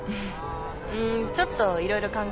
ちょっといろいろ考えてて。